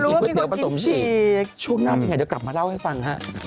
ก็รู้ว่ามีคนกินฉี่ช่วงหน้าพี่ไหนเดี๋ยวกลับมาเล่าให้ฟัง